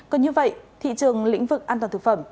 còn như vậy thị trường lĩnh vực an toàn thực phẩm